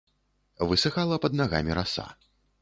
Высыхала пад нагамі раса.